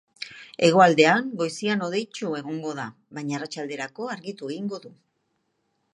Hegoaldean goizean hodeitsu egongo da, baina arratsalderako argitu egingo du.